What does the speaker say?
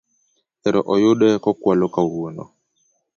Ero oyude kokwalo kawuono